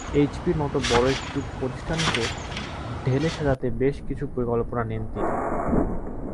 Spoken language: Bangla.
এইচপির মতো বড় একটি প্রতিষ্ঠানকে ঢেলে সাজাতে বেশ কিছু পরিকল্পনা নেন তিনি।